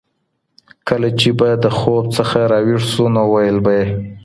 کله چې به د خوب نه را ويښ شو نو ويل به ئي